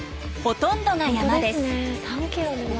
ほとんどが山です。